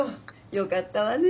よかったわね！